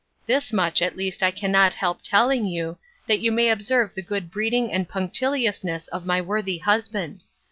This much at least I cannot help telling you, that you may observe the good breeding and punctiliousness of my worthy husband.